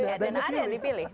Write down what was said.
dan ada yang dipilih